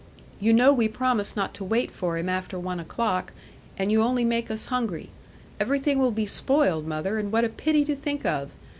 You know we promised not to wait for him after one o'clock; and you only make us hungry. Everything will be spoiled, mother, and what a pity to think of!